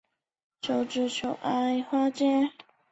俄国一战前的阿穆尔河区舰队拥有着强大的内河炮舰实力。